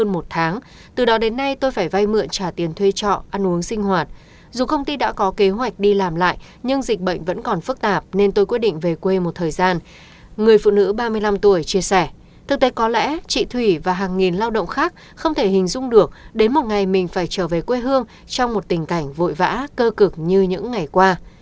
một người phụ nữ ba mươi năm tuổi chia sẻ thực tế có lẽ chị thủy và hàng nghìn lao động khác không thể hình dung được đến một ngày mình phải trở về quê hương trong một tình cảnh vội vã cơ cực như những ngày qua